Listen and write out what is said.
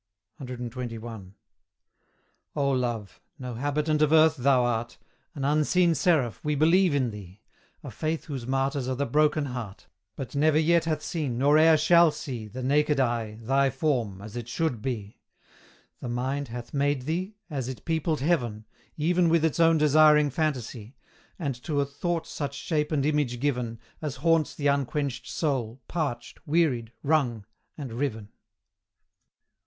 CXXI. O Love! no habitant of earth thou art An unseen seraph, we believe in thee, A faith whose martyrs are the broken heart, But never yet hath seen, nor e'er shall see, The naked eye, thy form, as it should be; The mind hath made thee, as it peopled heaven, Even with its own desiring phantasy, And to a thought such shape and image given, As haunts the unquenched soul parched wearied wrung and riven.